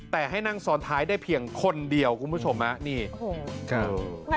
แต่ให้นั่งซ้อนท้ายได้เพียงคนเดียวคุณผู้ชมฮะนี่โอ้โหครับ